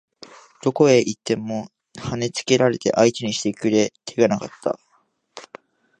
どこへ行っても跳ね付けられて相手にしてくれ手がなかった